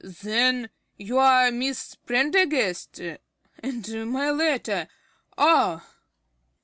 Then you are Miss Prendergast? And my letter Ah!